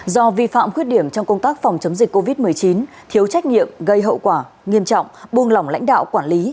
do vi phạm khuyết điểm trong công tác phòng chống dịch covid một mươi chín thiếu trách nhiệm gây hậu quả nghiêm trọng buông lỏng lãnh đạo quản lý